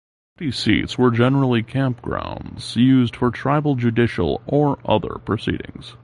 County seats were generally campgrounds used for tribal judicial or other proceedings.